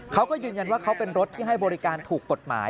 เขาก็ยืนยันว่าเขาเป็นรถที่ให้บริการถูกกฎหมาย